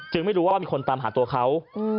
ไม่รู้ว่ามีคนตามหาตัวเขา